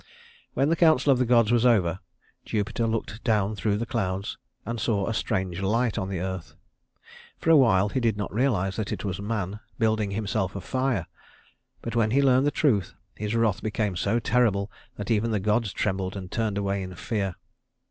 When the council of the gods was over, Jupiter looked down through the clouds and saw a strange light on the earth. For a while he did not realize that it was man, building himself a fire; but when he learned the truth, his wrath became so terrible that even the gods trembled and turned away in fear.